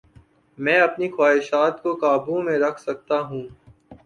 میں اپنی خواہشات کو قابو میں رکھ سکتا ہوں